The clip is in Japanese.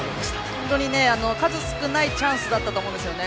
本当に数少ないチャンスだったと思うんですよね。